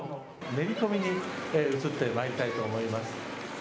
「練り込みに移ってまいりたいと思います」。